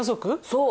そう！